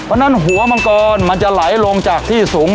เพราะฉะนั้นหัวมังกรมันจะไหลลงจากที่สูง